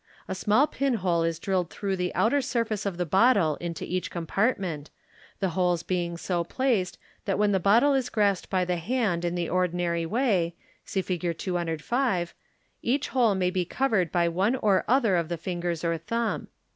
A small pinhole is drilled through the outer surface of the bottle into each compartment, the 374 MODERN MAGIC. holes being so placed that when the bottle is grasped by the hand in the ordinary way (see Fig. 205), each hole may be covered by one or other of the fingers or thumb.